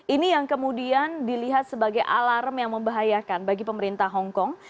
ini yang kemudian dilihat sebagai alarm yang membahayakan bagi pemerintah hongkong